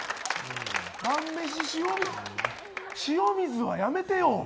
塩水はやめてよ！